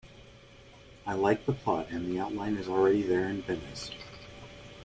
I like the plot and the outline is already there in Venice.